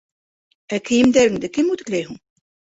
Ә кейемдәреңде кем үтекләй һуң?